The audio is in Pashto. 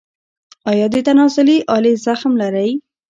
ایا د تناسلي آلې زخم لرئ؟